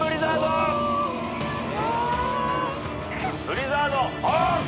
ブリザードオン！